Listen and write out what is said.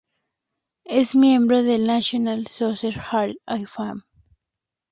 Es miembro del National Soccer Hall of Fame.